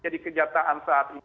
jadi kejataan saat ini